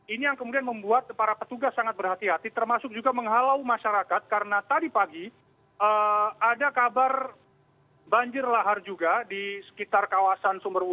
ini yang kemudian membuat para petugas sangat berhati hati termasuk juga menghalau masyarakat karena tadi pagi ada kabar banjir lahar juga di sekitar kawasan sumberwu